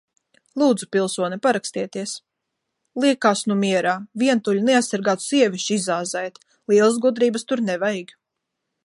-Lūdzu, pilsone, parakstieties. -Liekās nu mierā! Vientuļu, neaizsargātu sievišķi izāzēt- lielas gudrības tur nevajag.